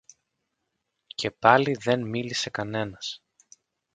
Και πάλι δε μίλησε κανένας